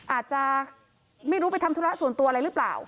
อาจจะไม่รู้ไปทำธุระส่วนตัวอะไรหรือเปล่า